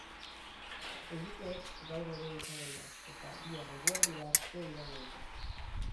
Euriteek gaur ere izango dira, eta bihar eguerdira arte iraungo dute.